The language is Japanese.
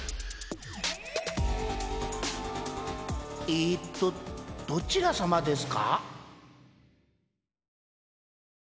えっとどちらさまですか？